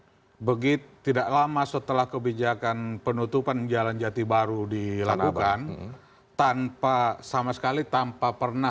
sebelumnya anies pernah menegaskan penutupan jalan jati baru telah sesuai dengan peraturan yang ada